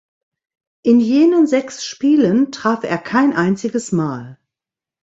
In jenen sechs Spielen traf er kein einziges Mal.